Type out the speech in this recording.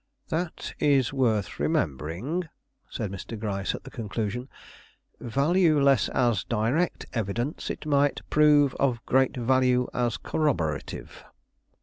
"That is worth remembering," said Mr. Gryce at the conclusion. "Valueless as direct evidence, it might prove of great value as corroborative."